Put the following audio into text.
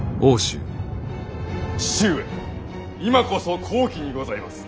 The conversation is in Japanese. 父上今こそ好機にございます！